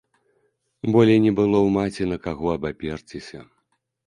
Болей не было ў маці на каго абаперціся.